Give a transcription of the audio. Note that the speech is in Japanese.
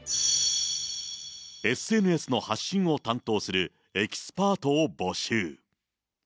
ＳＮＳの発信を担当するエキスパートを募集。